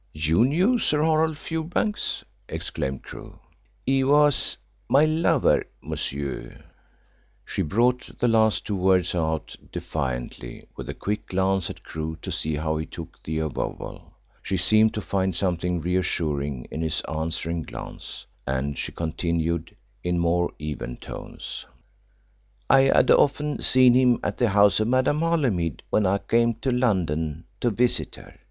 "You knew Sir Horace Fewbanks?" exclaimed Crewe. "He was my lover, monsieur." She brought the last two words out defiantly, with a quick glance at Crewe to see how he took the avowal. She seemed to find something reassuring in his answering glance, and she continued, in more even tones: "I had often seen him at the house of Madame Holymead when I came to London to visit her.